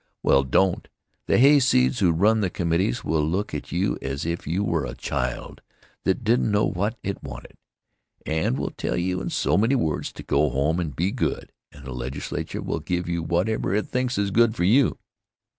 Well, don't. The hayseeds who run all the committees will look at you as if you were a child that didn't know what it wanted, and will tell you in so many words to go home and be good and the Legislature will give you whatever it thinks is good for you.